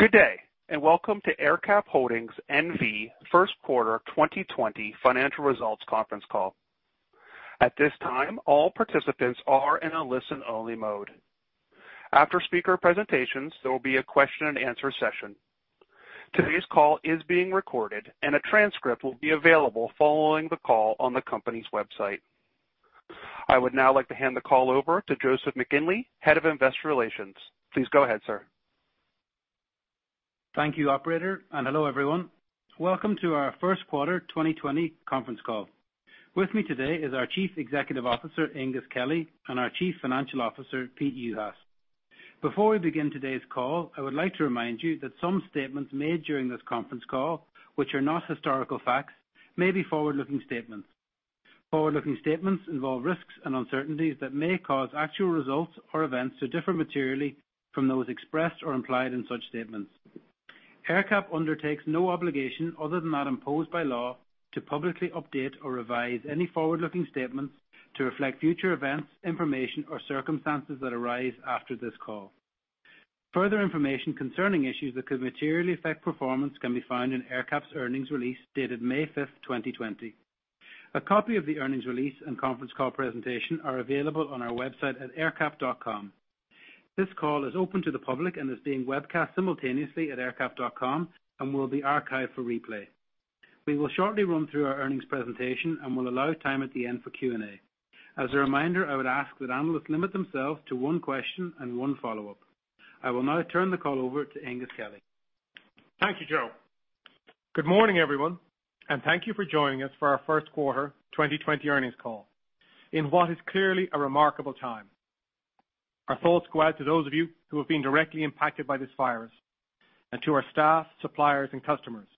Good day, and welcome to AerCap Holdings N.V. First Quarter 2020 Financial Results Conference Call. At this time, all participants are in a listen-only mode. After speaker presentations, there will be a question-and-answer session. Today's call is being recorded, and a transcript will be available following the call on the company's website. I would now like to hand the call over to Joseph McGinley, Head of Investor Relations. Please go ahead, sir. Thank you, Operator, and hello everyone. Welcome to our First Quarter 2020 Conference Call. With me today is our Chief Executive Officer, Aengus Kelly, and our Chief Financial Officer, Pete Juhas. Before we begin today's call, I would like to remind you that some statements made during this conference call, which are not historical facts, may be forward-looking statements. Forward-looking statements involve risks and uncertainties that may cause actual results or events to differ materially from those expressed or implied in such statements. AerCap undertakes no obligation, other than that imposed by law, to publicly update or revise any forward-looking statements to reflect future events, information, or circumstances that arise after this call. Further information concerning issues that could materially affect performance can be found in AerCap's earnings release dated May 5th, 2020. A copy of the earnings release and conference call presentation are available on our website at aercap.com. This call is open to the public and is being webcast simultaneously at aercap.com and will be archived for replay. We will shortly run through our earnings presentation and will allow time at the end for Q&A. As a reminder, I would ask that analysts limit themselves to one question and one follow-up. I will now turn the call over to Aengus Kelly. Thank you, Joe. Good morning, everyone, and thank you for joining us for our First Quarter 2020 Earnings Call in what is clearly a remarkable time. Our thoughts go out to those of you who have been directly impacted by this virus, and to our staff, suppliers, and customers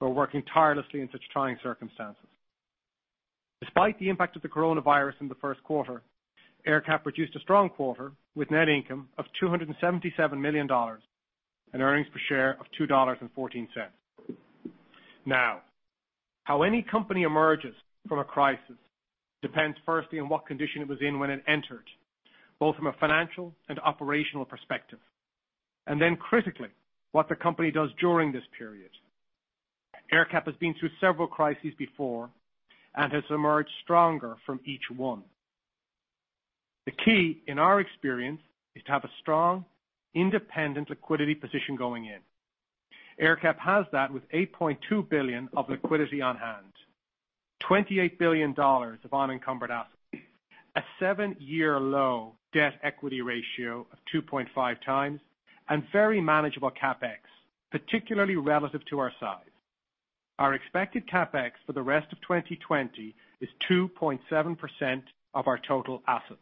who are working tirelessly in such trying circumstances. Despite the impact of the coronavirus in the first quarter, AerCap produced a strong quarter with net income of $277 million and earnings per share of $2.14. Now, how any company emerges from a crisis depends firstly on what condition it was in when it entered, both from a financial and operational perspective, and then critically, what the company does during this period. AerCap has been through several crises before and has emerged stronger from each one. The key, in our experience, is to have a strong, independent liquidity position going in. AerCap has that with $8.2 billion of liquidity on hand, $28 billion of unencumbered assets, a seven-year low debt-equity ratio of 2.5 times, and very manageable CapEx, particularly relative to our size. Our expected CapEx for the rest of 2020 is 2.7% of our total assets.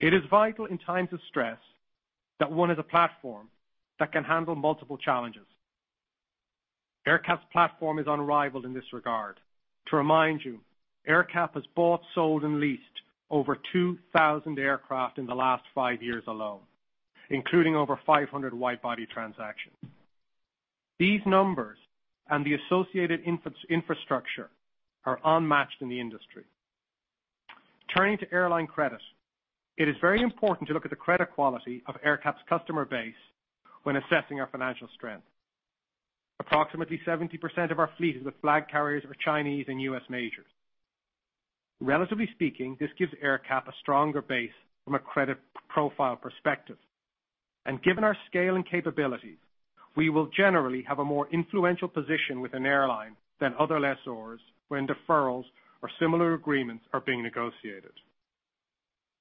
It is vital in times of stress that one has a platform that can handle multiple challenges. AerCap's platform is unrivaled in this regard. To remind you, AerCap has bought, sold, and leased over 2,000 aircraft in the last five years alone, including over 500 wide-body transactions. These numbers and the associated infrastructure are unmatched in the industry. Turning to airline credit, it is very important to look at the credit quality of AerCap's customer base when assessing our financial strength. Approximately 70% of our fleet is with flag carriers or Chinese and US majors. Relatively speaking, this gives AerCap a stronger base from a credit profile perspective. Given our scale and capabilities, we will generally have a more influential position with an airline than other lessors when deferrals or similar agreements are being negotiated.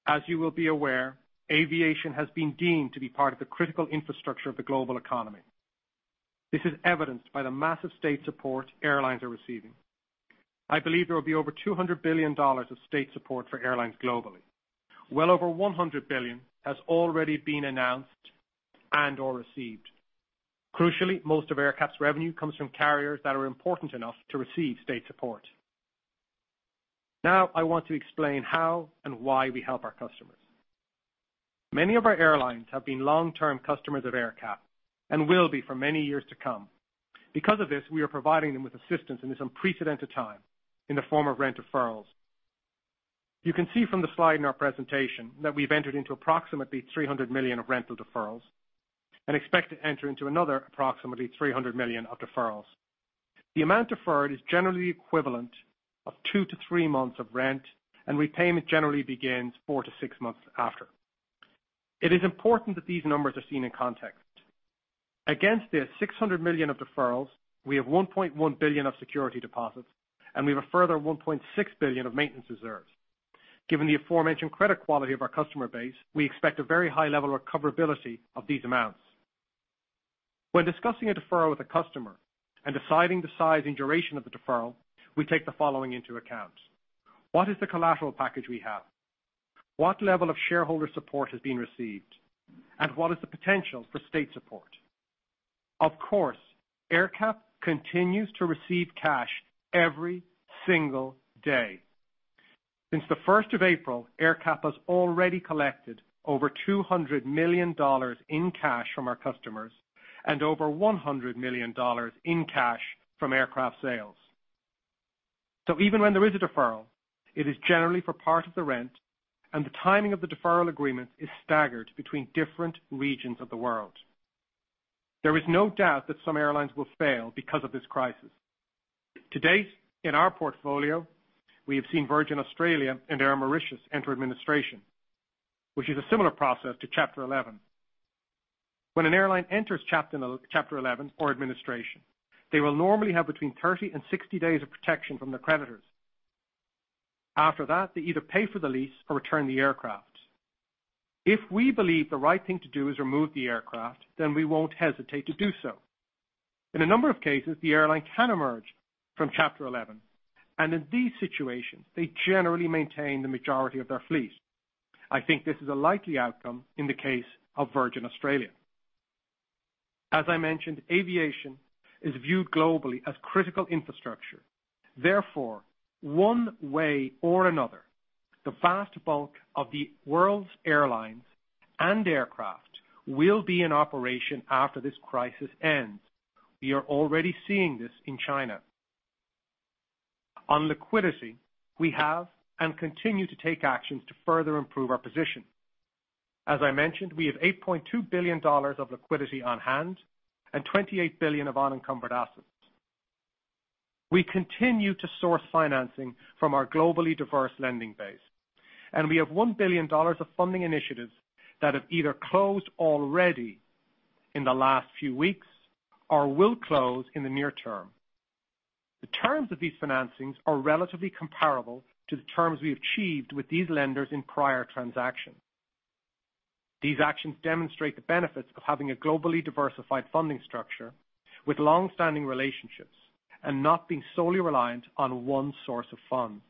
As you will be aware, aviation has been deemed to be part of the critical infrastructure of the global economy. This is evidenced by the massive state support airlines are receiving. I believe there will be over $200 billion of state support for airlines globally. Well over $100 billion has already been announced and/or received. Crucially, most of AerCap's revenue comes from carriers that are important enough to receive state support. Now, I want to explain how and why we help our customers. Many of our airlines have been long-term customers of AerCap and will be for many years to come. Because of this, we are providing them with assistance in this unprecedented time in the form of rent deferrals. You can see from the slide in our presentation that we've entered into approximately $300 million of rent deferrals and expect to enter into another approximately $300 million of deferrals. The amount deferred is generally the equivalent of two to three months of rent, and repayment generally begins four to six months after. It is important that these numbers are seen in context. Against this $600 million of deferrals, we have $1.1 billion of security deposits, and we have a further $1.6 billion of maintenance reserves. Given the aforementioned credit quality of our customer base, we expect a very high level of recoverability of these amounts. When discussing a deferral with a customer and deciding the size and duration of the deferral, we take the following into account. What is the collateral package we have? What level of shareholder support has been received? What is the potential for state support? Of course, AerCap continues to receive cash every single day. Since the first of April, AerCap has already collected over $200 million in cash from our customers and over $100 million in cash from aircraft sales. Even when there is a deferral, it is generally for part of the rent, and the timing of the deferral agreements is staggered between different regions of the world. There is no doubt that some airlines will fail because of this crisis. To date, in our portfolio, we have seen Virgin Australia and Air Mauritius enter administration, which is a similar process to Chapter 11. When an airline enters Chapter 11 or administration, they will normally have between 30 and 60 days of protection from their creditors. After that, they either pay for the lease or return the aircraft. If we believe the right thing to do is remove the aircraft, then we will not hesitate to do so. In a number of cases, the airline can emerge from Chapter 11, and in these situations, they generally maintain the majority of their fleet. I think this is a likely outcome in the case of Virgin Australia. As I mentioned, aviation is viewed globally as critical infrastructure. Therefore, one way or another, the vast bulk of the world's airlines and aircraft will be in operation after this crisis ends. We are already seeing this in China. On liquidity, we have and continue to take actions to further improve our position. As I mentioned, we have $8.2 billion of liquidity on hand and $28 billion of unencumbered assets. We continue to source financing from our globally diverse lending base, and we have $1 billion of funding initiatives that have either closed already in the last few weeks or will close in the near term. The terms of these financings are relatively comparable to the terms we achieved with these lenders in prior transactions. These actions demonstrate the benefits of having a globally diversified funding structure with long-standing relationships and not being solely reliant on one source of funds.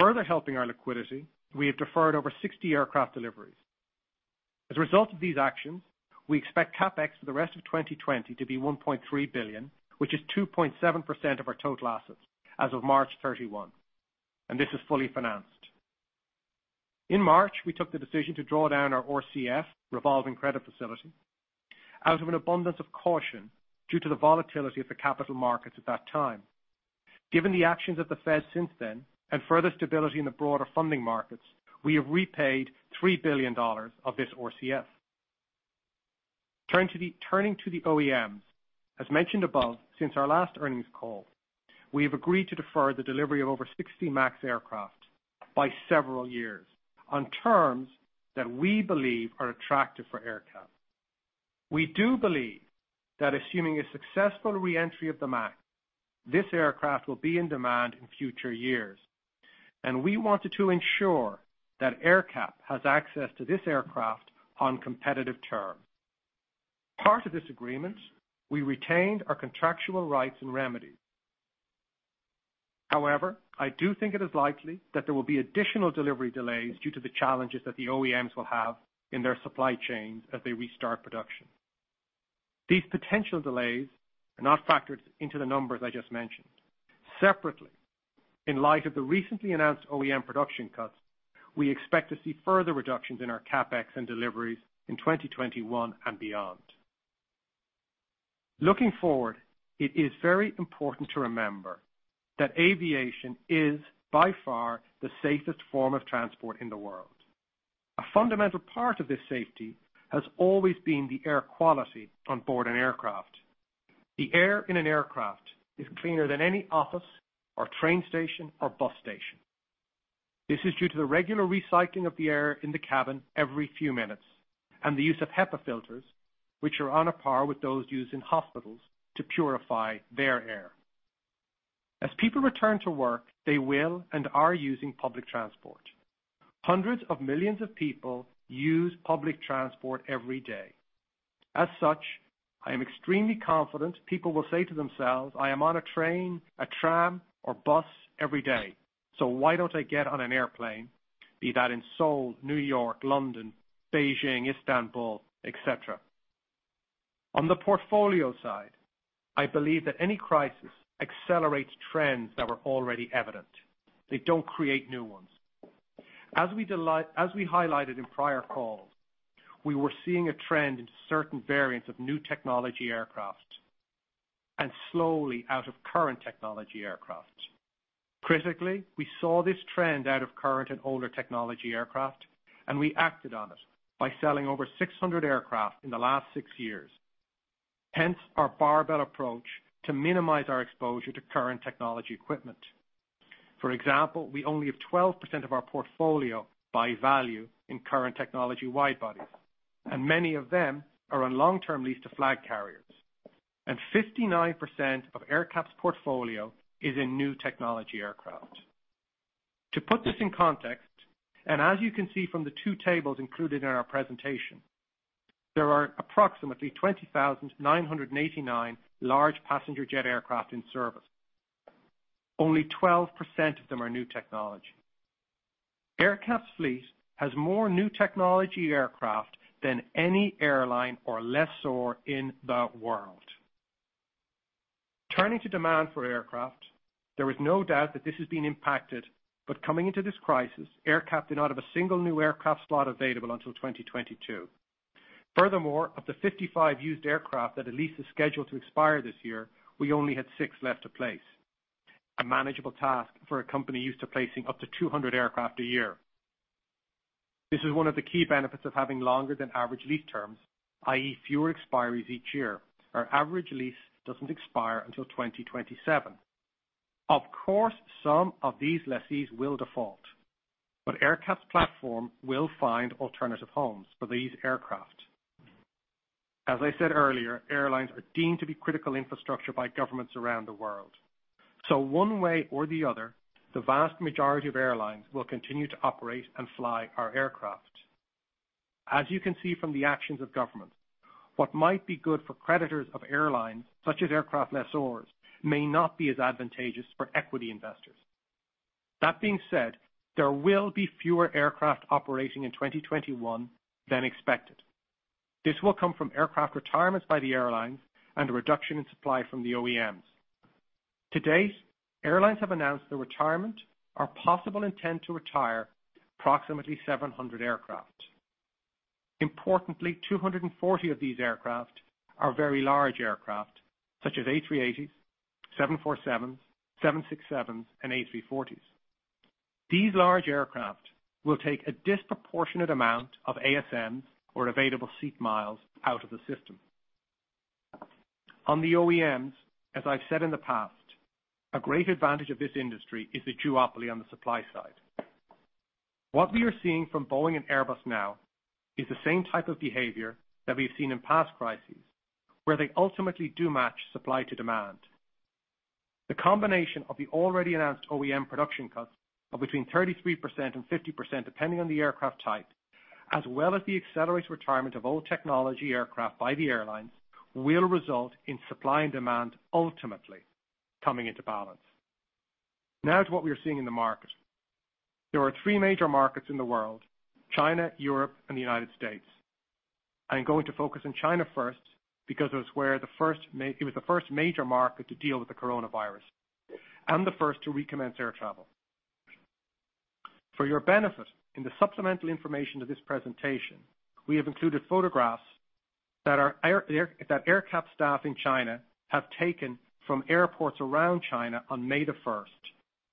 Further helping our liquidity, we have deferred over 60 aircraft deliveries. As a result of these actions, we expect CapEx for the rest of 2020 to be $1.3 billion, which is 2.7% of our total assets as of March 31, and this is fully financed. In March, we took the decision to draw down our RCF, Revolving Credit Facility, out of an abundance of caution due to the volatility of the capital markets at that time. Given the actions of the Fed since then and further stability in the broader funding markets, we have repaid $3 billion of this RCF. Turning to the OEMs, as mentioned above since our last earnings call, we have agreed to defer the delivery of over 60 MAX aircraft by several years on terms that we believe are attractive for AerCap. We do believe that assuming a successful reentry of the MAX, this aircraft will be in demand in future years, and we wanted to ensure that AerCap has access to this aircraft on competitive terms. Part of this agreement, we retained our contractual rights and remedies. However, I do think it is likely that there will be additional delivery delays due to the challenges that the OEMs will have in their supply chains as they restart production. These potential delays are not factored into the numbers I just mentioned. Separately, in light of the recently announced OEM production cuts, we expect to see further reductions in our CapEx and deliveries in 2021 and beyond. Looking forward, it is very important to remember that aviation is by far the safest form of transport in the world. A fundamental part of this safety has always been the air quality on board an aircraft. The air in an aircraft is cleaner than any office or train station or bus station. This is due to the regular recycling of the air in the cabin every few minutes and the use of HEPA filters, which are on a par with those used in hospitals to purify their air. As people return to work, they will and are using public transport. Hundreds of millions of people use public transport every day. As such, I am extremely confident people will say to themselves, "I am on a train, a tram, or bus every day, so why don't I get on an airplane, be that in Seoul, New York, London, Beijing, Istanbul, etc." On the portfolio side, I believe that any crisis accelerates trends that were already evident. They don't create new ones. As we highlighted in prior calls, we were seeing a trend in certain variants of new technology aircraft and slowly out-of-current technology aircraft. Critically, we saw this trend out of current and older technology aircraft, and we acted on it by selling over 600 aircraft in the last six years. Hence, our barbell approach to minimize our exposure to current technology equipment. For example, we only have 12% of our portfolio by value in current technology wide-bodies, and many of them are on long-term lease to flag carriers, and 59% of AerCap's portfolio is in new technology aircraft. To put this in context, and as you can see from the two tables included in our presentation, there are approximately 20,989 large passenger jet aircraft in service. Only 12% of them are new technology. AerCap's fleet has more new technology aircraft than any airline or lessor in the world. Turning to demand for aircraft, there is no doubt that this has been impacted, but coming into this crisis, AerCap did not have a single new aircraft slot available until 2022. Furthermore, of the 55 used aircraft that a lease is scheduled to expire this year, we only had six left to place, a manageable task for a company used to placing up to 200 aircraft a year. This is one of the key benefits of having longer-than-average lease terms, i.e., fewer expiries each year. Our average lease does not expire until 2027. Of course, some of these lessees will default, but AerCap's platform will find alternative homes for these aircraft. As I said earlier, airlines are deemed to be critical infrastructure by governments around the world. One way or the other, the vast majority of airlines will continue to operate and fly our aircraft. As you can see from the actions of government, what might be good for creditors of airlines, such as aircraft lessors, may not be as advantageous for equity investors. That being said, there will be fewer aircraft operating in 2021 than expected. This will come from aircraft retirements by the airlines and a reduction in supply from the OEMs. To date, airlines have announced the retirement or possible intent to retire approximately 700 aircraft. Importantly, 240 of these aircraft are very large aircraft, such as A380s, 747s, 767s, and A340s. These large aircraft will take a disproportionate amount of ASMs or available seat miles out of the system. On the OEMs, as I've said in the past, a great advantage of this industry is the duopoly on the supply side. What we are seeing from Boeing and Airbus now is the same type of behavior that we've seen in past crises, where they ultimately do match supply to demand. The combination of the already announced OEM production cuts of between 33% and 50%, depending on the aircraft type, as well as the accelerated retirement of old technology aircraft by the airlines, will result in supply and demand ultimately coming into balance. Now to what we are seeing in the market. There are three major markets in the world: China, Europe, and the United States. I'm going to focus on China first because it was the first major market to deal with the Coronavirus and the first to recommence air travel. For your benefit, in the supplemental information to this presentation, we have included photographs that AerCap staff in China have taken from airports around China on May 1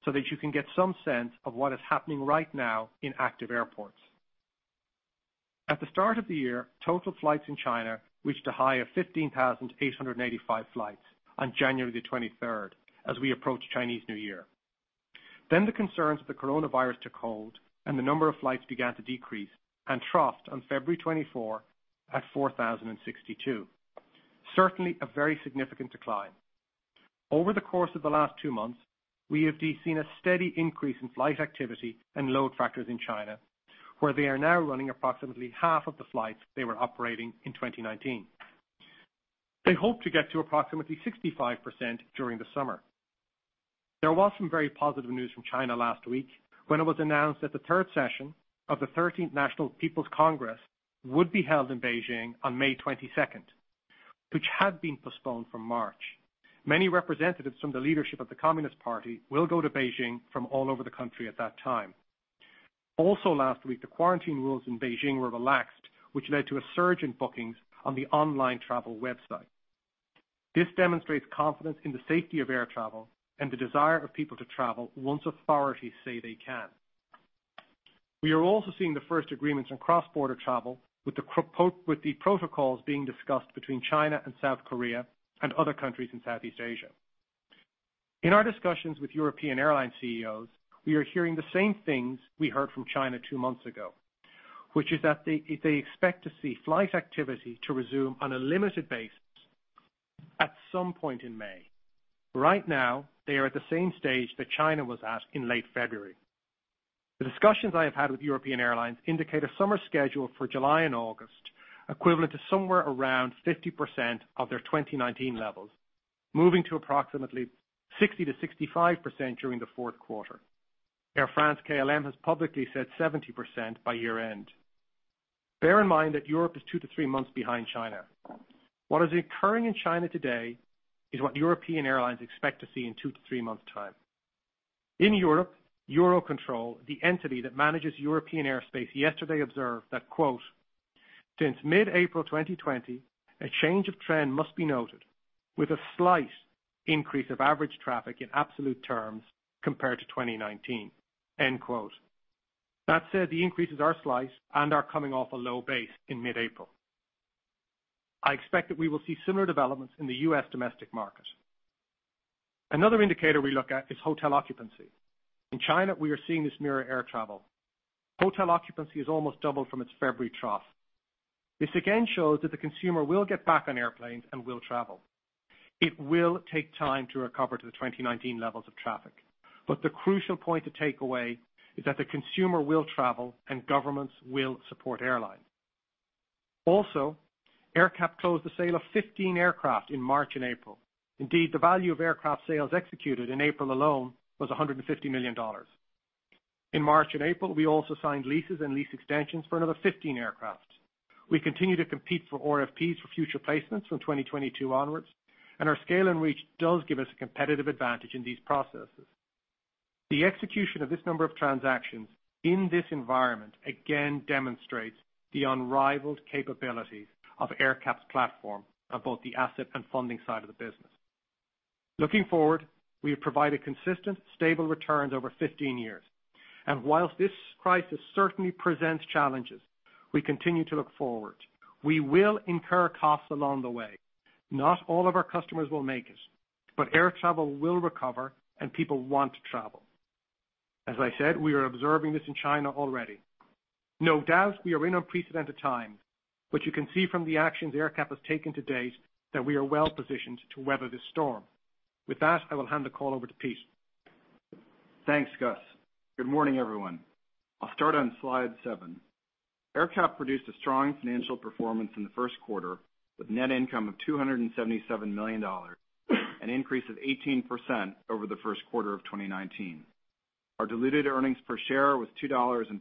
so that you can get some sense of what is happening right now in active airports. At the start of the year, total flights in China reached a high of 15,885 flights on January 23 as we approached Chinese New Year. The concerns of the Coronavirus took hold, and the number of flights began to decrease and troughed on February 24 at 4,062. Certainly, a very significant decline. Over the course of the last two months, we have seen a steady increase in flight activity and load factors in China, where they are now running approximately half of the flights they were operating in 2019. They hope to get to approximately 65% during the summer. There was some very positive news from China last week when it was announced that the third session of the 13th National People's Congress would be held in Beijing on May 22nd, which had been postponed from March. Many representatives from the leadership of the Communist Party will go to Beijing from all over the country at that time. Also, last week, the quarantine rules in Beijing were relaxed, which led to a surge in bookings on the online travel website. This demonstrates confidence in the safety of air travel and the desire of people to travel once authorities say they can. We are also seeing the first agreements on cross-border travel, with the protocols being discussed between China and South Korea and other countries in Southeast Asia. In our discussions with European airline CEOs, we are hearing the same things we heard from China two months ago, which is that they expect to see flight activity to resume on a limited basis at some point in May. Right now, they are at the same stage that China was at in late February. The discussions I have had with European airlines indicate a summer schedule for July and August equivalent to somewhere around 50% of their 2019 levels, moving to approximately 60-65% during the fourth quarter. Air France-KLM has publicly said 70% by year-end. Bear in mind that Europe is two to three months behind China. What is occurring in China today is what European airlines expect to see in two to three months' time. In Europe, Eurocontrol, the entity that manages European airspace, yesterday observed that, "Since mid-April 2020, a change of trend must be noted with a slight increase of average traffic in absolute terms compared to 2019." That said, the increase is our slice and our coming off a low base in mid-April. I expect that we will see similar developments in the U.S. domestic market. Another indicator we look at is hotel occupancy. In China, we are seeing this mirror air travel. Hotel occupancy has almost doubled from its February trough. This again shows that the consumer will get back on airplanes and will travel. It will take time to recover to the 2019 levels of traffic, but the crucial point to take away is that the consumer will travel and governments will support airlines. Also, AerCap closed the sale of 15 aircraft in March and April. Indeed, the value of aircraft sales executed in April alone was $150 million. In March and April, we also signed leases and lease extensions for another 15 aircraft. We continue to compete for OFPs for future placements from 2022 onwards, and our scale and reach does give us a competitive advantage in these processes. The execution of this number of transactions in this environment again demonstrates the unrivaled capabilities of AerCap's platform on both the asset and funding side of the business. Looking forward, we have provided consistent, stable returns over 15 years. Whilst this crisis certainly presents challenges, we continue to look forward. We will incur costs along the way. Not all of our customers will make it, but air travel will recover, and people want to travel. As I said, we are observing this in China already. No doubt, we are in unprecedented times, but you can see from the actions AerCap has taken to date that we are well-positioned to weather this storm. With that, I will hand the call over to Pete. Thanks, Gus. Good morning, everyone. I'll start on slide seven. AerCap produced a strong financial performance in the first quarter with net income of $277 million, an increase of 18% over the first quarter of 2019. Our diluted earnings per share was $2.14,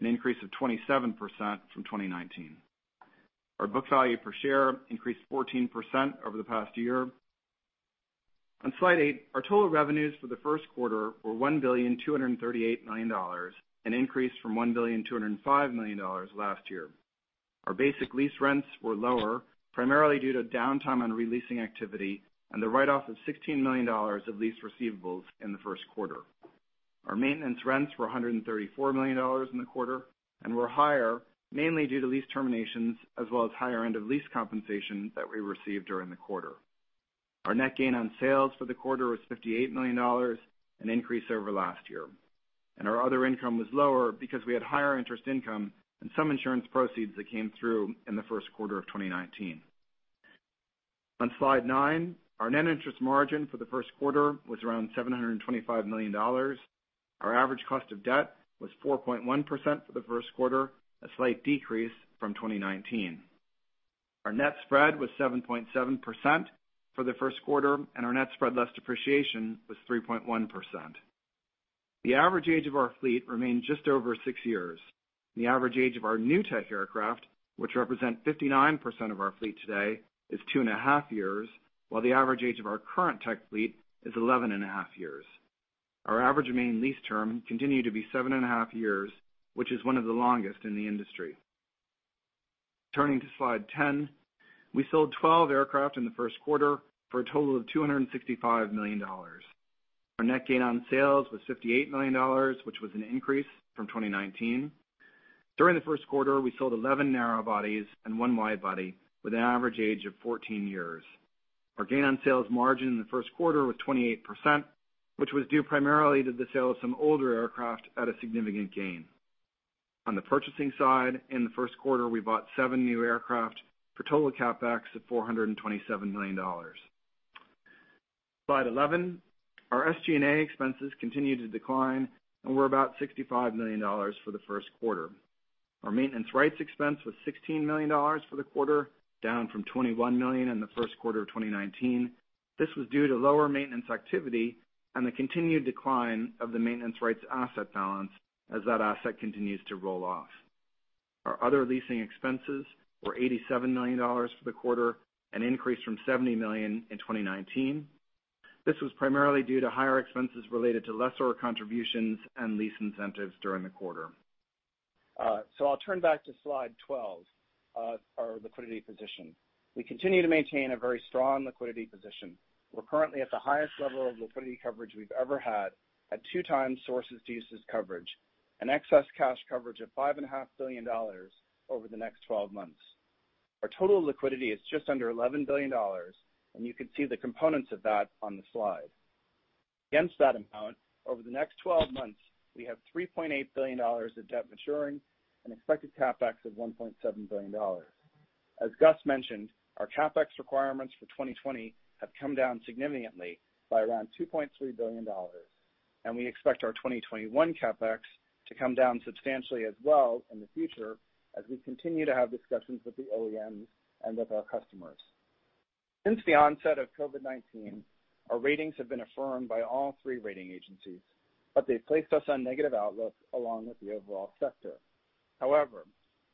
an increase of 27% from 2019. Our book value per share increased 14% over the past year. On slide eight, our total revenues for the first quarter were $1,238 million, an increase from $1,205 million last year. Our basic lease rents were lower, primarily due to downtime on releasing activity and the write-off of $16 million of lease receivables in the first quarter. Our maintenance rents were $134 million in the quarter and were higher mainly due to lease terminations as well as higher end of lease compensation that we received during the quarter. Our net gain on sales for the quarter was $58 million, an increase over last year. Our other income was lower because we had higher interest income and some insurance proceeds that came through in the first quarter of 2019. On slide nine, our net interest margin for the first quarter was around $725 million. Our average cost of debt was 4.1% for the first quarter, a slight decrease from 2019. Our net spread was 7.7% for the first quarter, and our net spread less depreciation was 3.1%. The average age of our fleet remained just over six years. The average age of our new tech aircraft, which represent 59% of our fleet today, is two and a half years, while the average age of our current tech fleet is 11 and a half years. Our average remaining lease term continued to be seven and a half years, which is one of the longest in the industry. Turning to slide 10, we sold 12 aircraft in the first quarter for a total of $265 million. Our net gain on sales was $58 million, which was an increase from 2019. During the first quarter, we sold 11 narrow bodies and one wide body with an average age of 14 years. Our gain on sales margin in the first quarter was 28%, which was due primarily to the sale of some older aircraft at a significant gain. On the purchasing side, in the first quarter, we bought seven new aircraft for total CapEx of $427 million. Slide 11, our SG&A expenses continued to decline, and we're about $65 million for the first quarter. Our maintenance rights expense was $16 million for the quarter, down from $21 million in the first quarter of 2019. This was due to lower maintenance activity and the continued decline of the maintenance rights asset balance as that asset continues to roll off. Our other leasing expenses were $87 million for the quarter, an increase from $70 million in 2019. This was primarily due to higher expenses related to lessor contributions and lease incentives during the quarter. I'll turn back to slide 12, our liquidity position. We continue to maintain a very strong liquidity position. We're currently at the highest level of liquidity coverage we've ever had, at two-time sources to uses coverage, an excess cash coverage of $5.5 billion over the next 12 months. Our total liquidity is just under $11 billion, and you can see the components of that on the slide. Against that amount, over the next 12 months, we have $3.8 billion of debt maturing and expected CapEx of $1.7 billion. As Gus mentioned, our CapEx requirements for 2020 have come down significantly by around $2.3 billion, and we expect our 2021 CapEx to come down substantially as well in the future as we continue to have discussions with the OEMs and with our customers. Since the onset of COVID-19, our ratings have been affirmed by all three rating agencies, but they've placed us on negative outlook along with the overall sector. However,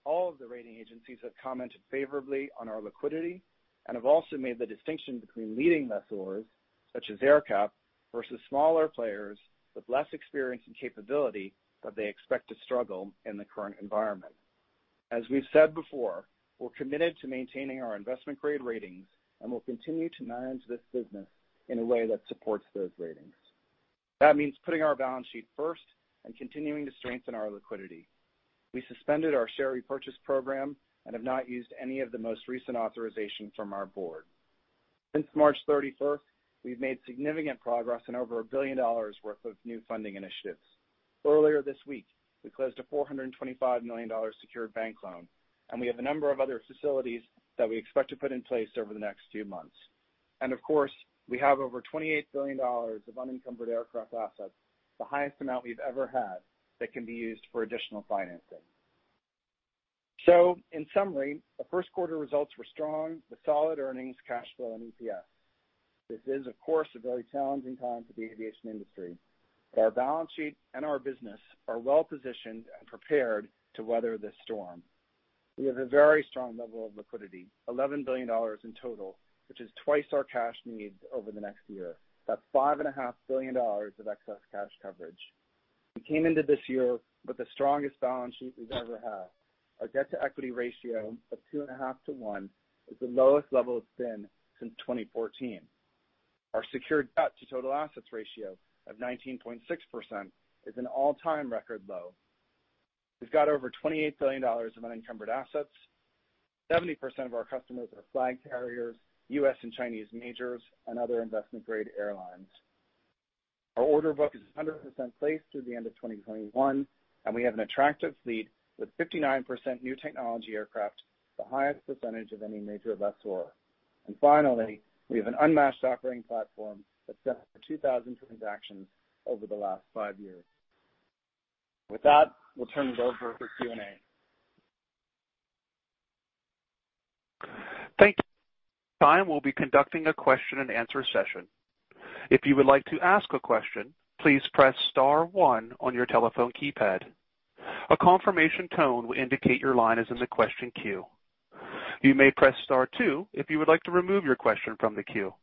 all of the rating agencies have commented favorably on our liquidity and have also made the distinction between leading lessors, such as AerCap, versus smaller players with less experience and capability that they expect to struggle in the current environment. As we've said before, we're committed to maintaining our investment-grade ratings, and we'll continue to manage this business in a way that supports those ratings. That means putting our balance sheet first and continuing to strengthen our liquidity. We suspended our share repurchase program and have not used any of the most recent authorizations from our board. Since March 31, we've made significant progress in over $1 billion worth of new funding initiatives. Earlier this week, we closed a $425 million secured bank loan, and we have a number of other facilities that we expect to put in place over the next few months. Of course, we have over $28 billion of unencumbered aircraft assets, the highest amount we've ever had, that can be used for additional financing. In summary, the first quarter results were strong with solid earnings, cash flow, and EPS. This is, of course, a very challenging time for the aviation industry, but our balance sheet and our business are well-positioned and prepared to weather this storm. We have a very strong level of liquidity, $11 billion in total, which is twice our cash needs over the next year. That's $5.5 billion of excess cash coverage. We came into this year with the strongest balance sheet we've ever had. Our debt-to-equity ratio of 2.5-1 is the lowest level it's been since 2014. Our secured debt-to-total assets ratio of 19.6% is an all-time record low. We've got over $28 billion of unencumbered assets. 70% of our customers are flag carriers, US and Chinese majors, and other investment-grade airlines. Our order book is 100% placed through the end of 2021, and we have an attractive fleet with 59% new technology aircraft, the highest percentage of any major lessor. Finally, we have an unmatched operating platform that's set for 2,000 transactions over the last five years. With that, we'll turn it over for Q&A. Thank you. At this time we'll be conducting a question-and-answer session. If you would like to ask a question, please press star one on your telephone keypad. A confirmation tone will indicate your line is in the question queue. You may press star two if you would like to remove your question from the queue.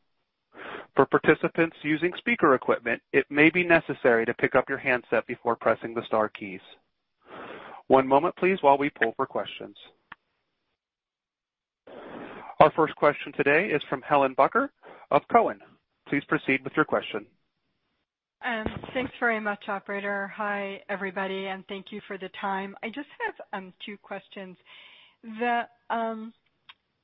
For participants using speaker equipment, it may be necessary to pick up your handset before pressing the star keys. One moment, please, while we poll for questions. Our first question today is from Helene Bucker of Cowen. Please proceed with your question. Thanks very much, Operator. Hi, everybody, and thank you for the time. I just have two questions.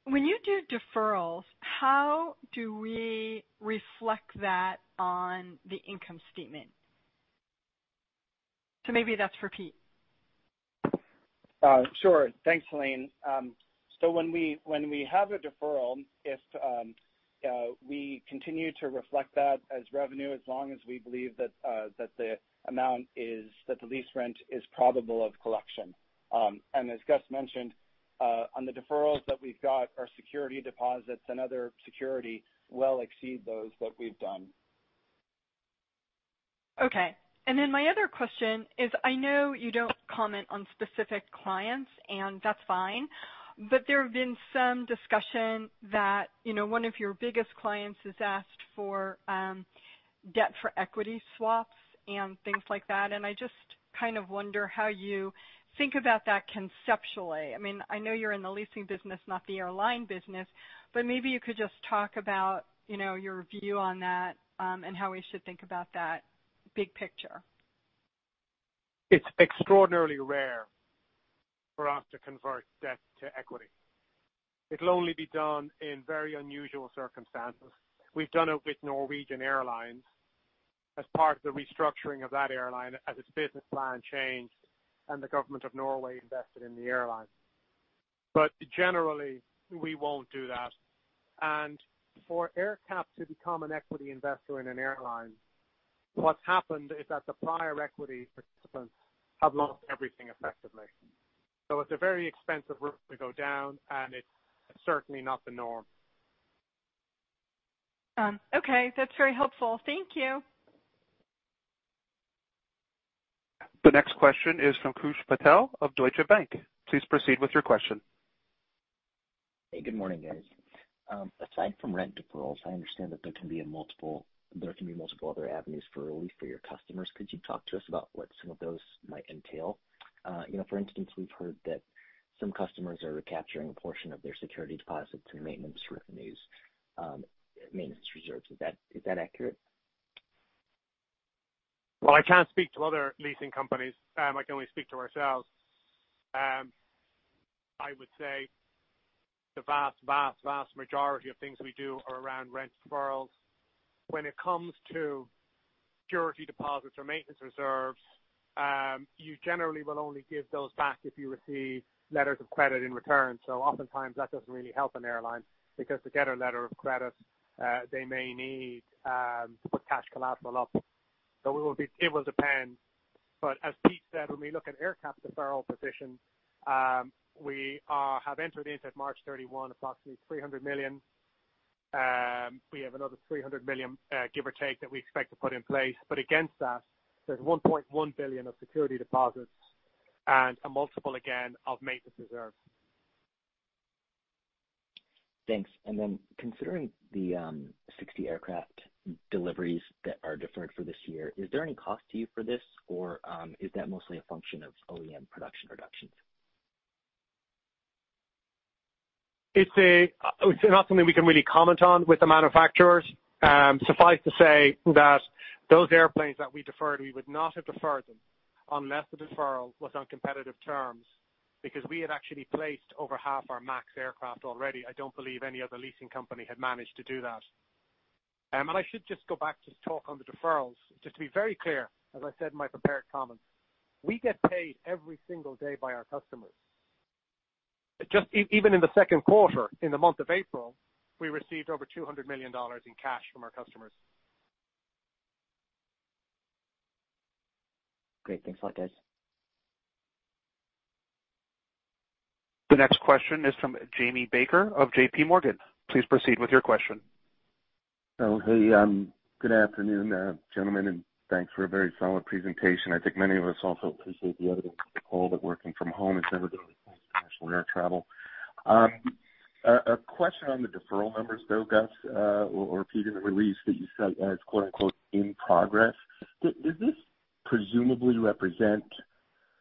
When you do deferrals, how do we reflect that on the income statement? So maybe that's for Pete. Sure. Thanks, Helene. When we have a deferral, we continue to reflect that as revenue as long as we believe that the amount is, that the lease rent is probable of collection. As Gus mentioned, on the deferrals that we've got, our security deposits and other security well exceed those that we've done. Okay. My other question is, I know you do not comment on specific clients, and that is fine, but there has been some discussion that one of your biggest clients has asked for debt for equity swaps and things like that. I just kind of wonder how you think about that conceptually. I mean, I know you are in the leasing business, not the airline business, but maybe you could just talk about your view on that and how we should think about that big picture. It's extraordinarily rare for us to convert debt to equity. It'll only be done in very unusual circumstances. We've done it with Norwegian Airlines as part of the restructuring of that airline as its business plan changed and the government of Norway invested in the airline. Generally, we won't do that. For AerCap to become an equity investor in an airline, what's happened is that the prior equity participants have lost everything effectively. It's a very expensive route to go down, and it's certainly not the norm. Okay. That's very helpful. Thank you. The next question is from Kush Patel of Deutsche Bank. Please proceed with your question. Hey, good morning, guys. Aside from rent deferrals, I understand that there can be multiple other avenues for relief for your customers. Could you talk to us about what some of those might entail? For instance, we've heard that some customers are recapturing a portion of their security deposits and maintenance reserves. Is that accurate? I can't speak to other leasing companies. I can only speak to ourselves. I would say the vast, vast, vast majority of things we do are around rent deferrals. When it comes to security deposits or maintenance reserves, you generally will only give those back if you receive letters of credit in return. Oftentimes, that doesn't really help an airline because to get a letter of credit, they may need to put cash collateral up. It will depend. As Pete said, when we look at AerCap's deferral position, we have entered into March 31 approximately $300 million. We have another $300 million, give or take, that we expect to put in place. Against that, there is $1.1 billion of security deposits and a multiple, again, of maintenance reserves. Thanks. Considering the 60 aircraft deliveries that are deferred for this year, is there any cost to you for this, or is that mostly a function of OEM production reductions? It's not something we can really comment on with the manufacturers. Suffice to say that those airplanes that we deferred, we would not have deferred them unless the deferral was on competitive terms because we had actually placed over half our MAX aircraft already. I don't believe any other leasing company had managed to do that. I should just go back to talk on the deferrals. Just to be very clear, as I said in my prepared comments, we get paid every single day by our customers. Just even in the second quarter, in the month of April, we received over $200 million in cash from our customers. Great. Thanks a lot, guys. The next question is from Jamie Baker of JPMorgan. Please proceed with your question. Hey, good afternoon, gentlemen, and thanks for a very solid presentation. I think many of us also appreciate the evidence of the call that working from home has never been a replacement for air travel. A question on the deferral numbers, though, Gus or Pete, in the release that you cite as "in progress." Does this presumably represent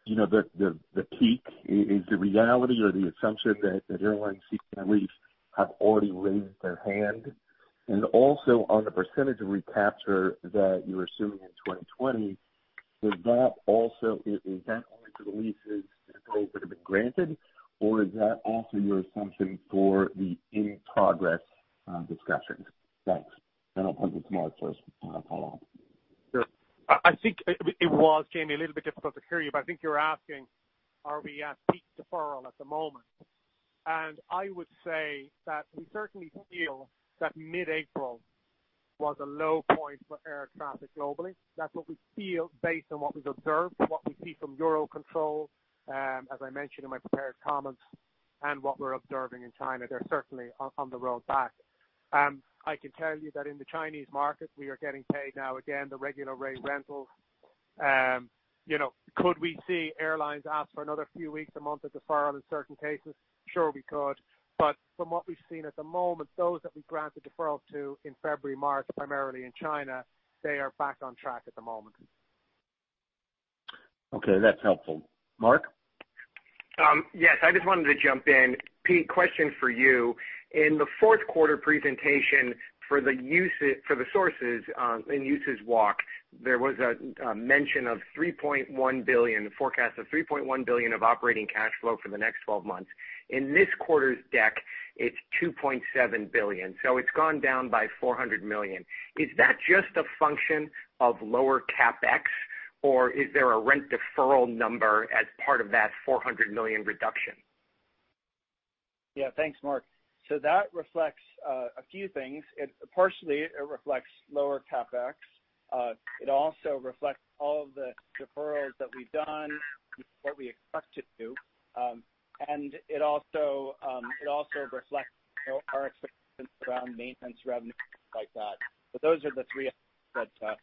the peak? Is the reality or the assumption that airlines seeking relief have already raised their hand? Also, on the percentage of recapture that you were assuming in 2020, is that also only for the leases that have been granted, or is that also your assumption for the in-progress discussions? Thanks. I think it was, Jamie. A little bit difficult to hear you, but I think you're asking, are we at peak deferral at the moment? I would say that we certainly feel that mid-April was a low point for air traffic globally. That's what we feel based on what we've observed, what we see from Eurocontrol, as I mentioned in my prepared comments, and what we're observing in China. They're certainly on the road back. I can tell you that in the Chinese market, we are getting paid now again the regular rate rentals. Could we see airlines ask for another few weeks, a month of deferral in certain cases? Sure, we could. From what we've seen at the moment, those that we granted deferral to in February, March, primarily in China, they are back on track at the moment. Okay. That's helpful. Mark? Yes. I just wanted to jump in. Pete, question for you. In the fourth quarter presentation for the sources and uses walk, there was a mention of $3.1 billion, a forecast of $3.1 billion of operating cash flow for the next 12 months. In this quarter's deck, it's $2.7 billion. So it's gone down by $400 million. Is that just a function of lower CapEx, or is there a rent deferral number as part of that $400 million reduction? Yeah. Thanks, Mark. That reflects a few things. Partially, it reflects lower CapEx. It also reflects all of the deferrals that we've done, what we expect to do, and it also reflects our expectations around maintenance revenue and things like that. Those are the three that.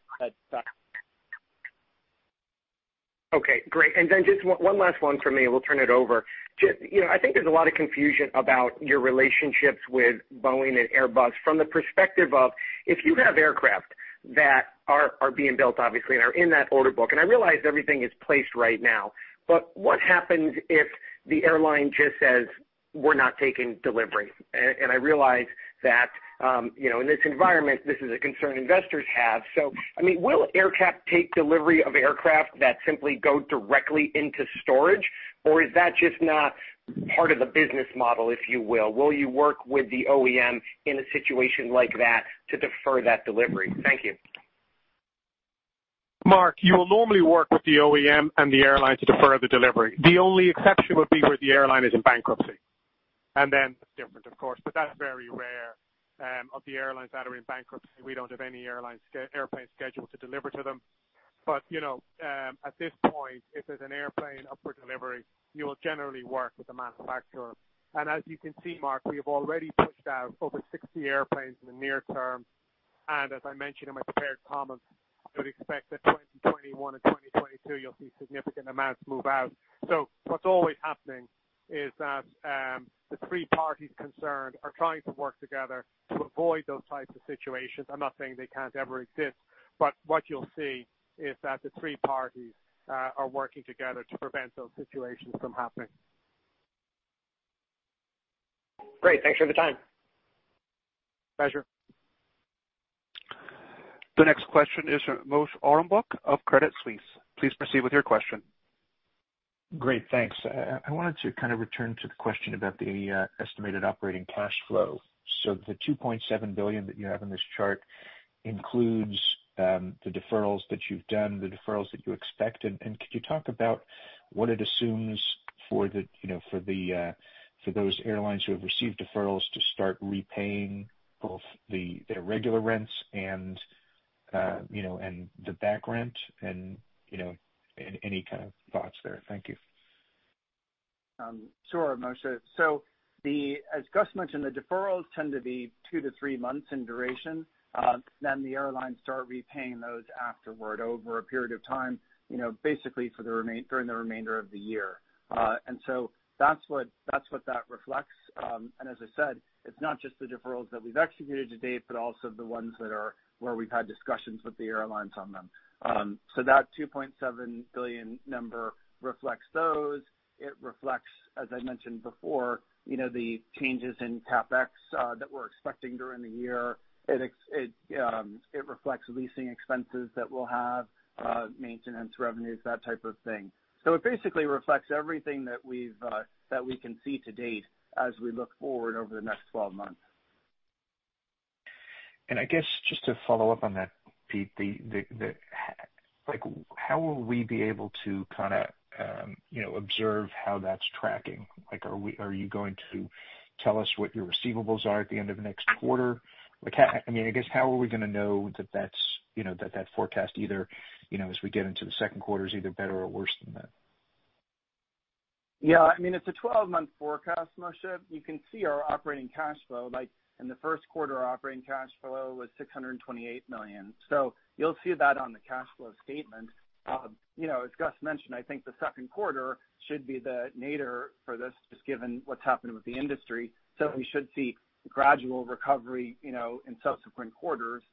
Okay. Great. And then just one last one for me. We'll turn it over. I think there's a lot of confusion about your relationships with Boeing and Airbus from the perspective of if you have aircraft that are being built, obviously, and are in that order book, and I realize everything is placed right now, but what happens if the airline just says, "We're not taking delivery"? I realize that in this environment, this is a concern investors have. I mean, will AerCap take delivery of aircraft that simply go directly into storage, or is that just not part of the business model, if you will? Will you work with the OEM in a situation like that to defer that delivery? Thank you. Mark, you will normally work with the OEM and the airline to defer the delivery. The only exception would be where the airline is in bankruptcy. Then it's different, of course, but that's very rare. Of the airlines that are in bankruptcy, we don't have any airplanes scheduled to deliver to them. At this point, if there's an airplane up for delivery, you will generally work with the manufacturer. As you can see, Mark, we have already pushed out over 60 airplanes in the near term. As I mentioned in my prepared comments, I would expect that 2021 and 2022, you'll see significant amounts move out. What's always happening is that the three parties concerned are trying to work together to avoid those types of situations. I'm not saying they can't ever exist, but what you'll see is that the three parties are working together to prevent those situations from happening. Great. Thanks for the time. Pleasure. The next question is from Moshe Orenbuch of Credit Suisse. Please proceed with your question. Great. Thanks. I wanted to kind of return to the question about the estimated operating cash flow. The $2.7 billion that you have in this chart includes the deferrals that you've done, the deferrals that you expect. Could you talk about what it assumes for those airlines who have received deferrals to start repaying both their regular rents and the back rent and any kind of thoughts there? Thank you. Sure, Moshe. As Gus mentioned, the deferrals tend to be two to three months in duration, then the airlines start repaying those afterward over a period of time, basically during the remainder of the year. That is what that reflects. As I said, it is not just the deferrals that we have executed to date, but also the ones where we have had discussions with the airlines on them. That $2.7 billion number reflects those. It reflects, as I mentioned before, the changes in CapEx that we are expecting during the year. It reflects leasing expenses that we will have, maintenance revenues, that type of thing. It basically reflects everything that we can see to date as we look forward over the next 12 months. I guess just to follow up on that, Pete, how will we be able to kind of observe how that's tracking? Are you going to tell us what your receivables are at the end of next quarter? I mean, I guess how are we going to know that that forecast, either as we get into the second quarter, is either better or worse than that? Yeah. I mean, it's a 12-month forecast, Moshe. You can see our operating cash flow. In the first quarter, our operating cash flow was $628 million. You will see that on the cash flow statement. As Gus mentioned, I think the second quarter should be the nadir for this, just given what's happened with the industry. We should see gradual recovery in subsequent quarters.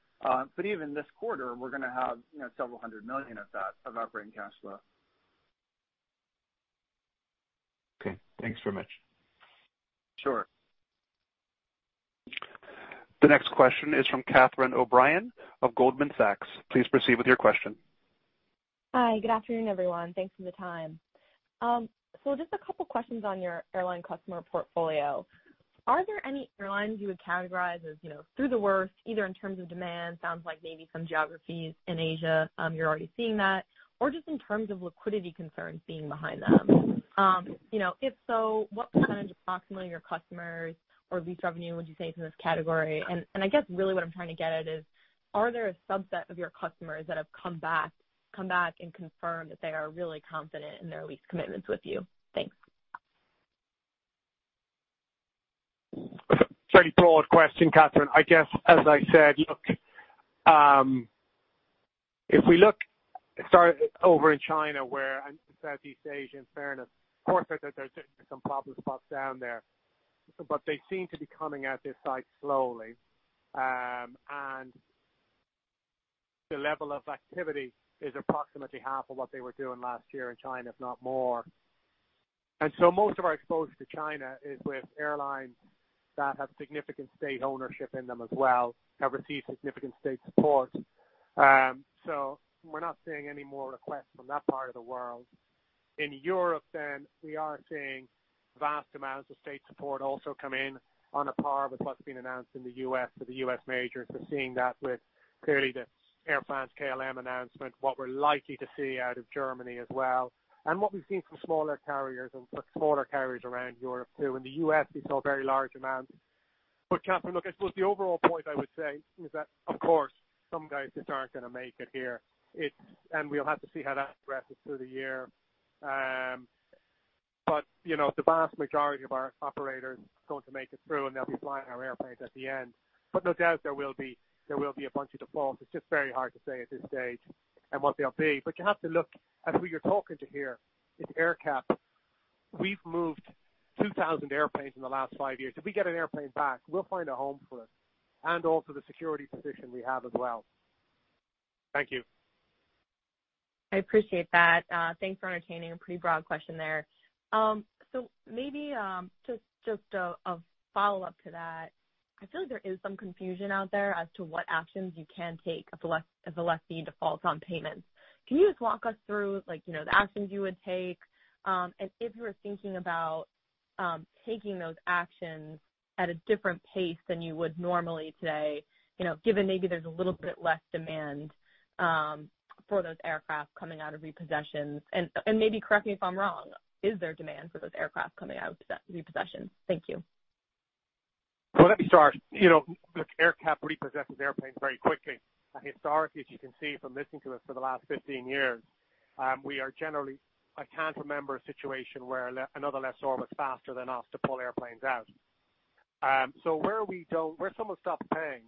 Even this quarter, we're going to have several hundred million of that of operating cash flow. Okay. Thanks very much. Sure. The next question is from Catherine O'Brien of Goldman Sachs. Please proceed with your question. Hi. Good afternoon, everyone. Thanks for the time. Just a couple of questions on your airline customer portfolio. Are there any airlines you would categorize as through the worst, either in terms of demand? It sounds like maybe some geographies in Asia, you're already seeing that, or just in terms of liquidity concerns being behind them? If so, what percentage approximately of your customers or lease revenue would you say is in this category? I guess really what I'm trying to get at is, are there a subset of your customers that have come back and confirmed that they are really confident in their lease commitments with you? Thanks. Pretty broad question, Catherine. I guess, as I said, if we look over in China, where I'm Southeast Asian, fair enough, of course, there are certainly some problem spots down there, but they seem to be coming out this side slowly. The level of activity is approximately half of what they were doing last year in China, if not more. Most of our exposure to China is with airlines that have significant state ownership in them as well, have received significant state support. We're not seeing any more requests from that part of the world. In Europe, we are seeing vast amounts of state support also come in on a par with what's been announced in the U.S. for the U.S. majors. We're seeing that with clearly the Air France-KLM announcement, what we're likely to see out of Germany as well, and what we've seen from smaller carriers around Europe too. In the U.S., we saw very large amounts. Catherine, look, I suppose the overall point I would say is that, of course, some guys just aren't going to make it here. We'll have to see how that progresses through the year. The vast majority of our operators are going to make it through, and they'll be flying our airplanes at the end. There will be a bunch of defaults. It's just very hard to say at this stage what they'll be. You have to look at who you're talking to here. It's AerCap. We've moved 2,000 airplanes in the last five years. If we get an airplane back, we'll find a home for it and also the security position we have as well. Thank you. I appreciate that. Thanks for entertaining a pretty broad question there. Maybe just a follow-up to that, I feel like there is some confusion out there as to what actions you can take if a lessee defaults on payments. Can you just walk us through the actions you would take? If you were thinking about taking those actions at a different pace than you would normally today, given maybe there's a little bit less demand for those aircraft coming out of repossessions? Maybe correct me if I'm wrong. Is there demand for those aircraft coming out of repossessions? Thank you. Let me start. Look, AerCap repossesses airplanes very quickly. Historically, as you can see from listening to us for the last 15 years, we are generally—I can't remember a situation where another lessor was faster than us to pull airplanes out. Where we don't—where someone stops paying,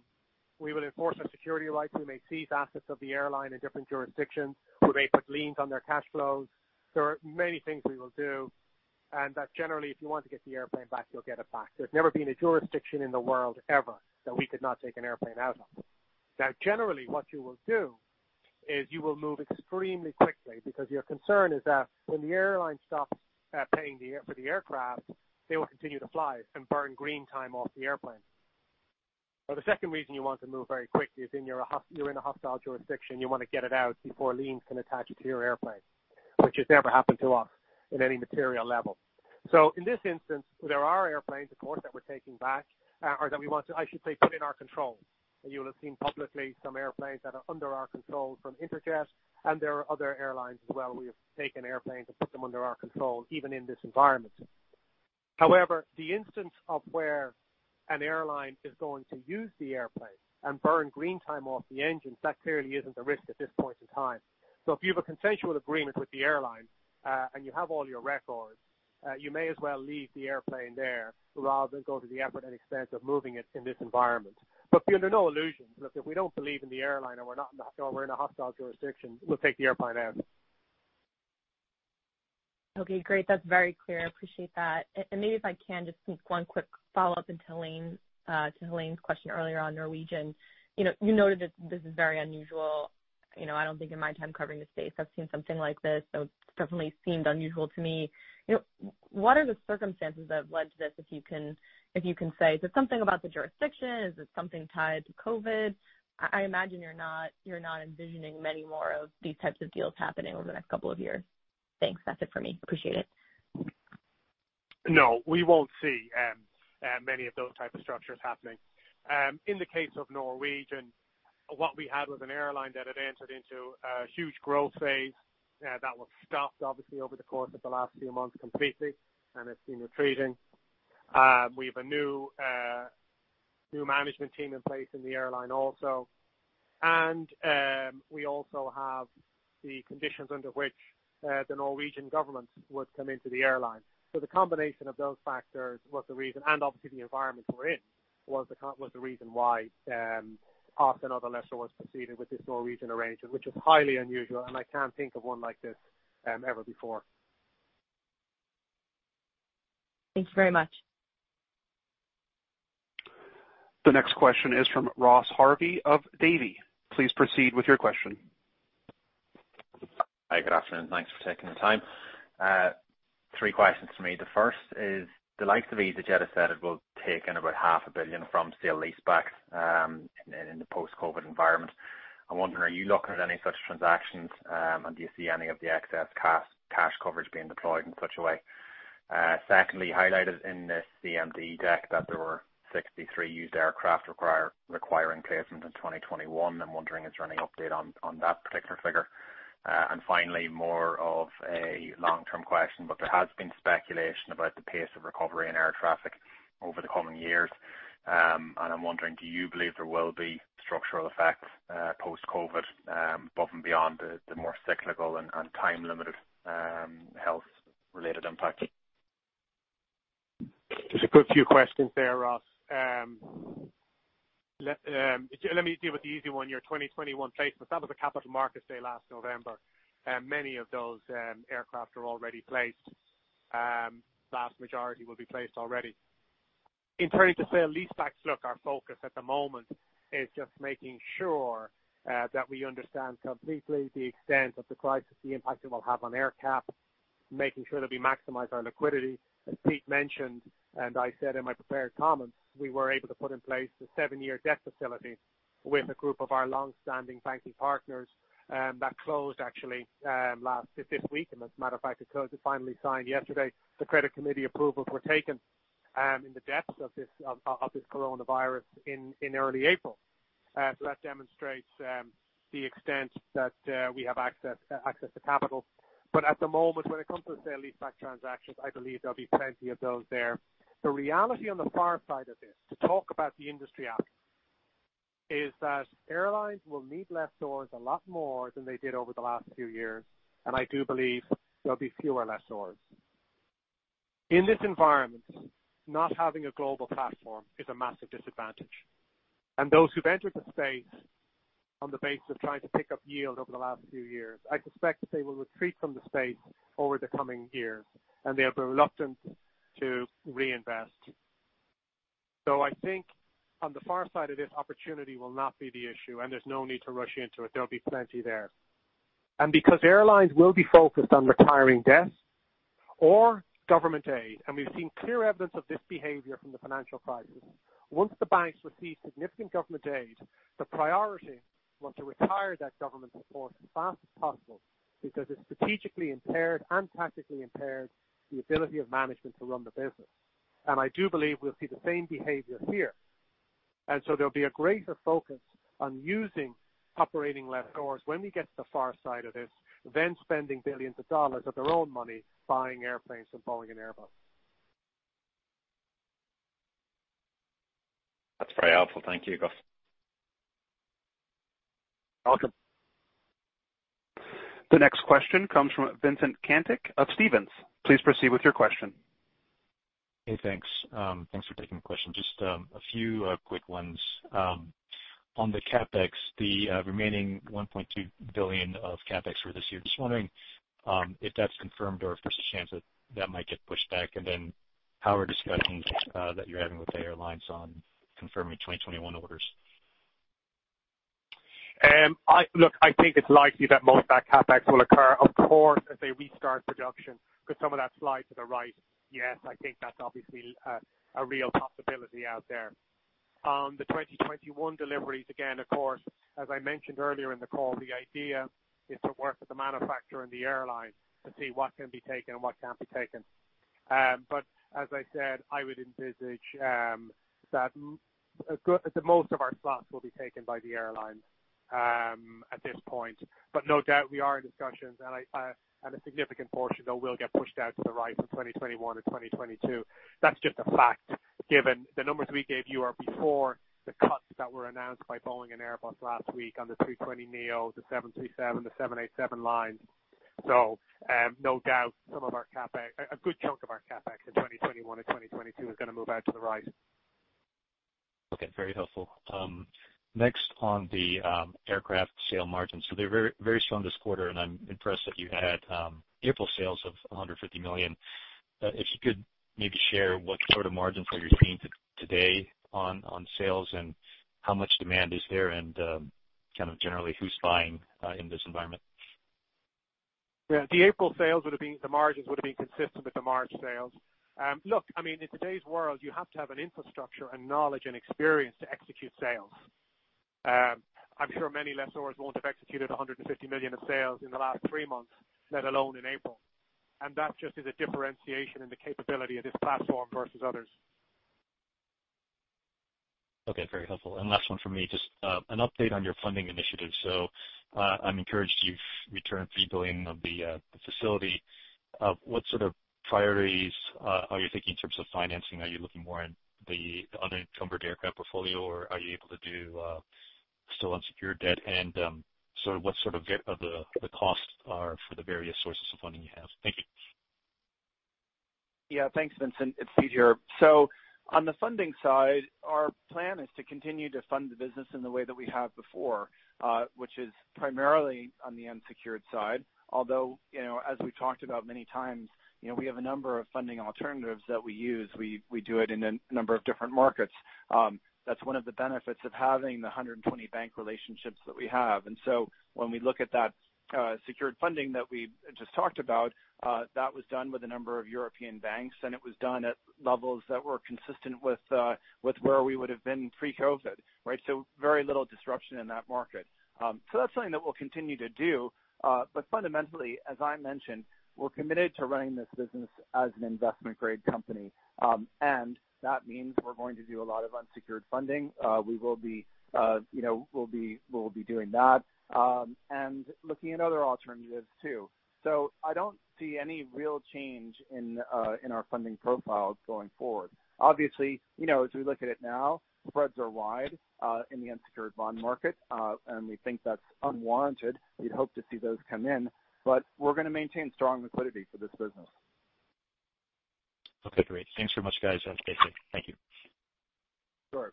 we will enforce our security rights. We may seize assets of the airline in different jurisdictions. We may put liens on their cash flows. There are many things we will do. That is generally, if you want to get the airplane back, you'll get it back. There's never been a jurisdiction in the world ever that we could not take an airplane out of. Now, generally, what you will do is you will move extremely quickly because your concern is that when the airline stops paying for the aircraft, they will continue to fly and burn green time off the airplane. Now, the second reason you want to move very quickly is you're in a hostile jurisdiction. You want to get it out before liens can attach to your airplane, which has never happened to us in any material level. In this instance, there are airplanes, of course, that we're taking back or that we want to, I should say, put in our control. You will have seen publicly some airplanes that are under our control from Interjet, and there are other airlines as well. We have taken airplanes and put them under our control, even in this environment. However, the instance of where an airline is going to use the airplane and burn green time off the engine, that clearly isn't a risk at this point in time. If you have a consensual agreement with the airline and you have all your records, you may as well leave the airplane there rather than go to the effort and expense of moving it in this environment. Under no illusions, look, if we do not believe in the airline and we are in a hostile jurisdiction, we will take the airplane out. Okay. Great. That's very clear. I appreciate that. Maybe if I can just one quick follow-up to Helene's question earlier on Norwegian. You noted that this is very unusual. I do not think in my time covering the space I have seen something like this, so it definitely seemed unusual to me. What are the circumstances that have led to this, if you can say? Is it something about the jurisdiction? Is it something tied to COVID? I imagine you are not envisioning many more of these types of deals happening over the next couple of years. Thanks. That is it for me. Appreciate it. No, we won't see many of those types of structures happening. In the case of Norwegian, what we had was an airline that had entered into a huge growth phase that was stopped, obviously, over the course of the last few months completely, and it's been retreating. We have a new management team in place in the airline also. We also have the conditions under which the Norwegian government would come into the airline. The combination of those factors was the reason, and obviously, the environment we're in was the reason why us and other lessors proceeded with this Norwegian arrangement, which is highly unusual, and I can't think of one like this ever before. Thank you very much. The next question is from Ross Harvey of Davy. Please proceed with your question. Hi. Good afternoon. Thanks for taking the time. Three questions for me. The first is, the likes of these that Jetta said it will take in about $0.5 billion from sale leaseback in the post-COVID environment. I'm wondering, are you looking at any such transactions, and do you see any of the excess cash coverage being deployed in such a way? Secondly, highlighted in the CMD deck that there were 63 used aircraft requiring placement in 2021. I'm wondering, is there any update on that particular figure? Finally, more of a long-term question, but there has been speculation about the pace of recovery in air traffic over the coming years. I'm wondering, do you believe there will be structural effects post-COVID, above and beyond the more cyclical and time-limited health-related impact? There's a good few questions there, Ross. Let me deal with the easy one. Your 2021 placement, that was a Capital Markets Day last November. Many of those aircraft are already placed. The vast majority will be placed already. In turning to say a lease-back look, our focus at the moment is just making sure that we understand completely the extent of the crisis, the impact it will have on AerCap, making sure that we maximize our liquidity. As Pete mentioned, and I said in my prepared comments, we were able to put in place the seven-year debt facility with a group of our long-standing banking partners that closed actually this week. As a matter of fact, it finally signed yesterday. The credit committee approvals were taken in the depths of this Coronavirus in early April. That demonstrates the extent that we have access to capital. At the moment, when it comes to the sale lease-back transactions, I believe there will be plenty of those there. The reality on the far side of this, to talk about the industry outcome, is that airlines will need lessors a lot more than they did over the last few years, and I do believe there will be fewer lessors. In this environment, not having a global platform is a massive disadvantage. Those who have entered the space on the basis of trying to pick up yield over the last few years, I suspect that they will retreat from the space over the coming years, and they will be reluctant to reinvest. I think on the far side of this, opportunity will not be the issue, and there is no need to rush into it. There will be plenty there. Because airlines will be focused on retiring debts or government aid, and we've seen clear evidence of this behavior from the financial crisis, once the banks receive significant government aid, the priority was to retire that government support as fast as possible because it strategically impaired and tactically impaired the ability of management to run the business. I do believe we'll see the same behavior here. There will be a greater focus on using operating lessors when we get to the far side of this, than spending billions of dollars of their own money buying airplanes from Boeing and Airbus. That's very helpful. Thank you, Gus. Welcome. The next question comes from Vincent Kantic of Stevens. Please proceed with your question. Hey, thanks. Thanks for taking the question. Just a few quick ones. On the CapEx, the remaining $1.2 billion of CapEx for this year, just wondering if that's confirmed or if there's a chance that that might get pushed back, and then how are discussions that you're having with the airlines on confirming 2021 orders? Look, I think it's likely that most of that CapEx will occur, of course, as they restart production because some of that slides to the right. Yes, I think that's obviously a real possibility out there. The 2021 deliveries, again, of course, as I mentioned earlier in the call, the idea is to work with the manufacturer and the airline to see what can be taken and what can't be taken. As I said, I would envisage that most of our slots will be taken by the airlines at this point. No doubt we are in discussions, and a significant portion, though, will get pushed out to the right from 2021 to 2022. That's just a fact given the numbers we gave you are before the cuts that were announced by Boeing and Airbus last week on the A320neo, the 737, the 787 lines. No doubt some of our CapEx, a good chunk of our CapEx in 2021 and 2022 is going to move out to the right. Okay. Very helpful. Next on the aircraft sale margins. They are very strong this quarter, and I'm impressed that you had April sales of $150 million. If you could maybe share what sort of margins are you seeing today on sales and how much demand is there and kind of generally who's buying in this environment? Yeah. The April sales would have been, the margins would have been consistent with the March sales. Look, I mean, in today's world, you have to have an infrastructure and knowledge and experience to execute sales. I'm sure many lessors won't have executed $150 million of sales in the last three months, let alone in April. That just is a differentiation in the capability of this platform versus others. Okay. Very helpful. Last one from me, just an update on your funding initiative. I'm encouraged you've returned $3 billion of the facility. What sort of priorities are you thinking in terms of financing? Are you looking more in the unencumbered aircraft portfolio, or are you able to do still unsecured debt? What sort of the costs are for the various sources of funding you have? Thank you. Yeah. Thanks, Vincent. It's Pete here. On the funding side, our plan is to continue to fund the business in the way that we have before, which is primarily on the unsecured side. Although, as we've talked about many times, we have a number of funding alternatives that we use. We do it in a number of different markets. That's one of the benefits of having the 120 bank relationships that we have. When we look at that secured funding that we just talked about, that was done with a number of European banks, and it was done at levels that were consistent with where we would have been pre-COVID, right? Very little disruption in that market. That's something that we'll continue to do. Fundamentally, as I mentioned, we're committed to running this business as an investment-grade company. That means we're going to do a lot of unsecured funding. We will be doing that and looking at other alternatives too. I do not see any real change in our funding profile going forward. Obviously, as we look at it now, spreads are wide in the unsecured bond market, and we think that's unwarranted. We'd hope to see those come in, but we're going to maintain strong liquidity for this business. Okay. Great. Thanks very much, guys. That's basic. Thank you. Sure.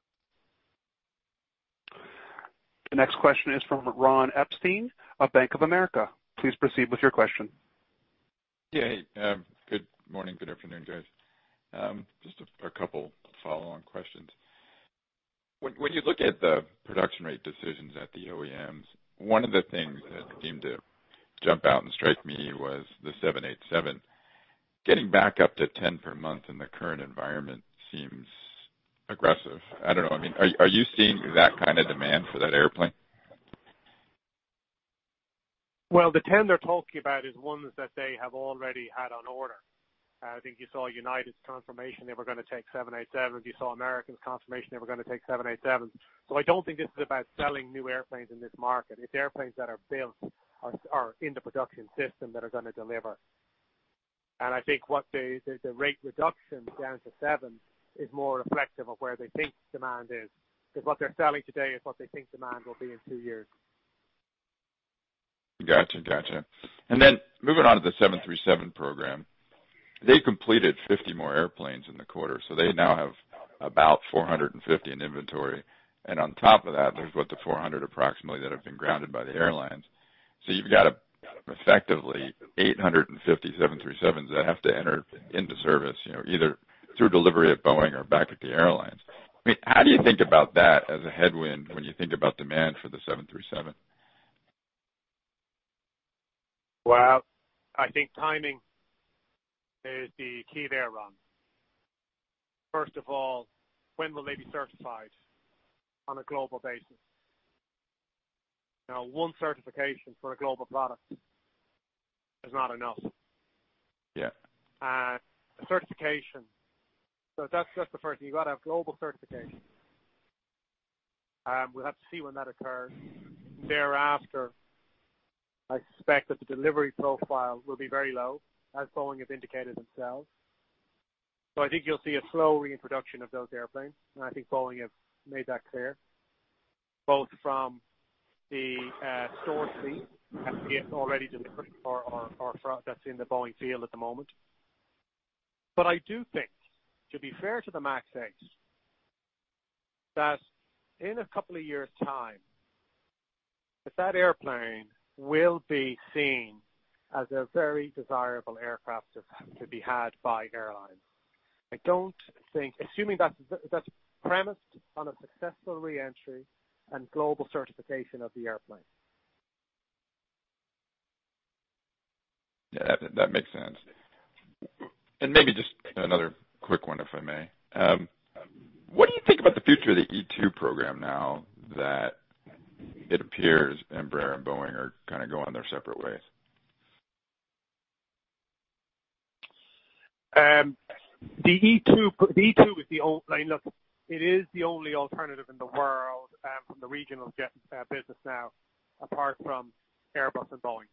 The next question is from Ron Epstein of Bank of America. Please proceed with your question. Yeah. Good morning. Good afternoon, guys. Just a couple of follow-on questions. When you look at the production rate decisions at the OEMs, one of the things that seemed to jump out and strike me was the 787. Getting back up to 10 per month in the current environment seems aggressive. I don't know. I mean, are you seeing that kind of demand for that airplane? The 10 they're talking about is ones that they have already had on order. I think you saw United's confirmation they were going to take 787. You saw American's confirmation they were going to take 787. I don't think this is about selling new airplanes in this market. It's airplanes that are built or in the production system that are going to deliver. I think what the rate reduction down to 7 is more reflective of where they think demand is because what they're selling today is what they think demand will be in two years. Gotcha. Gotcha. Moving on to the 737 program, they've completed 50 more airplanes in the quarter, so they now have about 450 in inventory. On top of that, there's what, the 400 approximately that have been grounded by the airlines. You've got effectively 850 737s that have to enter into service either through delivery at Boeing or back at the airlines. I mean, how do you think about that as a headwind when you think about demand for the 737? I think timing is the key there, Ron. First of all, when will they be certified on a global basis? Now, one certification for a global product is not enough. Certification, that's just the first thing. You've got to have global certification. We'll have to see when that occurs. Thereafter, I suspect that the delivery profile will be very low, as Boeing have indicated themselves. I think you'll see a slow reintroduction of those airplanes, and I think Boeing have made that clear, both from the store seat at the already delivered or that's in the Boeing field at the moment. I do think, to be fair to the Max 8, that in a couple of years' time, that airplane will be seen as a very desirable aircraft to be had by airlines. I don't think, assuming that's premised on a successful reentry and global certification of the airplane. Yeah. That makes sense. Maybe just another quick one, if I may. What do you think about the future of the E2 program now that it appears Embraer and Boeing are kind of going their separate ways? The E2 is the old look, it is the only alternative in the world from the regional business now, apart from Airbus and Boeing.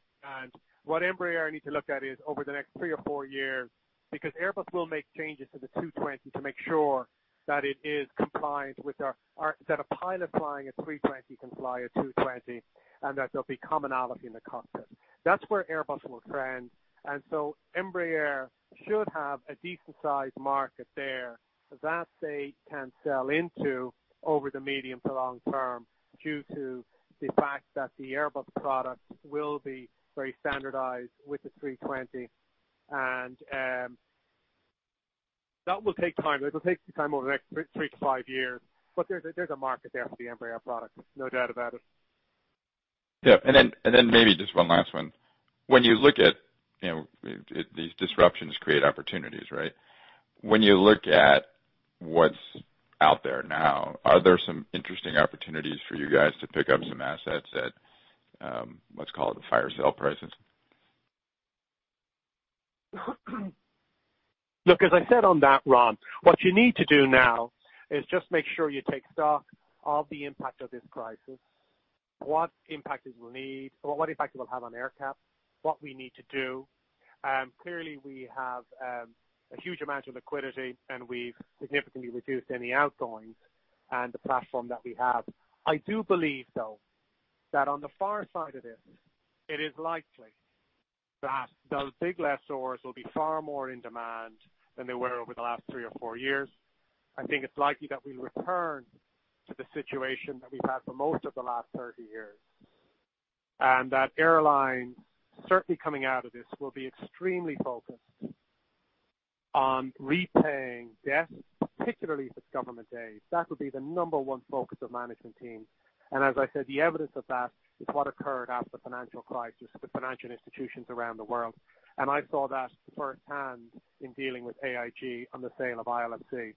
What Embraer needs to look at is over the next three or four years, because Airbus will make changes to the 220 to make sure that it is compliant with that a pilot flying a 320 can fly a 220 and that there'll be commonality in the cockpit. That is where Airbus will trend. Embraer should have a decent-sized market there that they can sell into over the medium to long term due to the fact that the Airbus product will be very standardized with the 320. That will take time. It'll take some time over the next three to five years, but there's a market there for the Embraer product, no doubt about it. Yeah. Maybe just one last one. When you look at these disruptions create opportunities, right? When you look at what's out there now, are there some interesting opportunities for you guys to pick up some assets at, let's call it, the fire sale prices? Look, as I said on that, Ron, what you need to do now is just make sure you take stock of the impact of this crisis, what impact it will need, what impact it will have on AerCap, what we need to do. Clearly, we have a huge amount of liquidity, and we've significantly reduced any outgoings and the platform that we have. I do believe, though, that on the far side of this, it is likely that those big lessors will be far more in demand than they were over the last three or four years. I think it's likely that we'll return to the situation that we've had for most of the last 30 years. Airlines, certainly coming out of this, will be extremely focused on repaying debt, particularly if it's government aid. That will be the number one focus of management teams. As I said, the evidence of that is what occurred after the financial crisis with financial institutions around the world. I saw that firsthand in dealing with AIG on the sale of ILFC.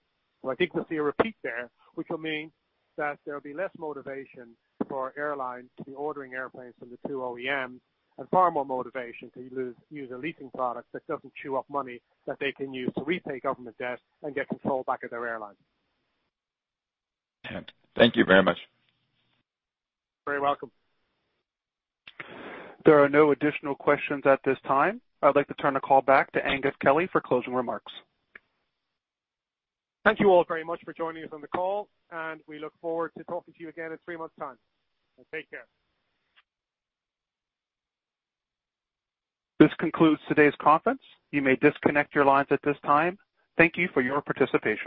I think we'll see a repeat there, which will mean that there will be less motivation for airlines to be ordering airplanes from the two OEMs and far more motivation to use a leasing product that does not chew up money that they can use to repay government debt and get control back of their airlines. Okay. Thank you very much. You're very welcome. There are no additional questions at this time. I'd like to turn the call back to Aengus Kelly for closing remarks. Thank you all very much for joining us on the call, and we look forward to talking to you again in three months' time. Take care. This concludes today's conference. You may disconnect your lines at this time. Thank you for your participation.